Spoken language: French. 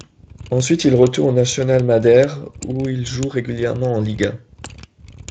Ensuite il retourne au Nacional Madeire où il joue régulièrement en Liga.